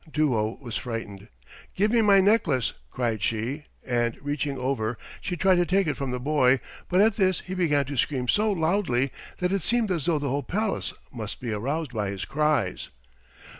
Duo was frightened. "Give me my necklace," cried she, and reaching over she tried to take it from the boy, but at this he began to scream so loudly that it seemed as though the whole palace must be aroused by his cries.